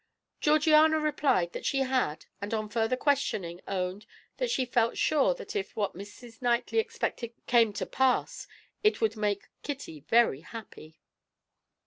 Georgiana replied that she had, and on further questioning owned that she felt sure that if what Mrs. Knightley expected came to pass, it would make Kitty very happy.